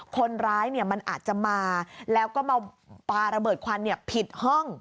คนร้ายมันอาจจะมาแล้วก็มาปลาระเบิดควันผิดห้อง